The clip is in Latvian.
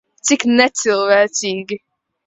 Cik necilvēcīgi.